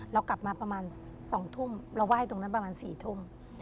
เรากลับมาประมาณ๒ทุ่มเราไหว้ตรงนั้นประมาณ๔ทุ่ม